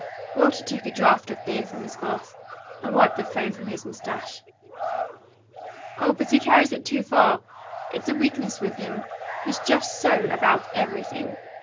Walker took a draught of beer from his glass, and wiped the foam from his moustache. "Oh, but he carries it too far! It's a weakness with him. He's just so about everything.